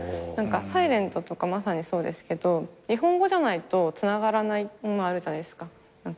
『ｓｉｌｅｎｔ』とかまさにそうですけど日本語じゃないとつながらないものあるじゃないですか。